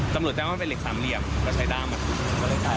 จำหนดได้ว่าเป็นเหล็กสามเหลี่ยมแล้วใช้ด้ามมาถูกก็เลยได้